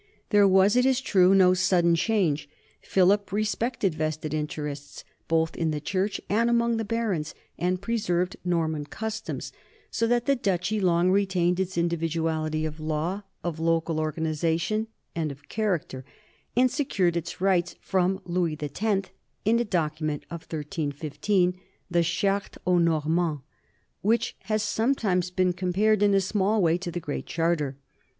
There was, it is true, no sudden change. Philip respected vested interests, both in the church and among the barons, and preserved Norman customs, so that the duchy long retained its individuality of law, of local organization, and of character, and secured its rights from Louis X in a document of 1315, the Charte aux Normands, which has sometimes been compared in a small way to the Great Charter.